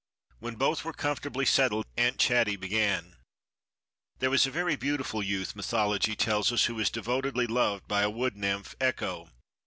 When both were comfortably settled Aunt Chatty began: "There was a very beautiful youth, mythology tells us, who was devotedly loved by a wood nymph, Echo.